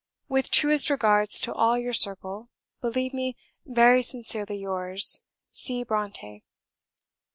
With truest regards to all your circle, believe me very sincerely yours, C. BRONTË."